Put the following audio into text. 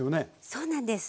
そうなんです。